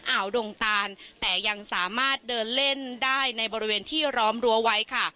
อ่าวดงตานแต่ยังสามารถเดินเล่นได้ในบริเวณที่ร้อมรั้วไว้ค่ะ